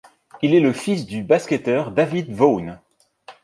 Il est le fils du basketteur David Vaughn.